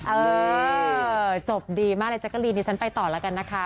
เออจบดีมากเลยแจ๊กกะลีนดิฉันไปต่อแล้วกันนะคะ